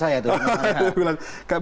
itu tim kumpulan saya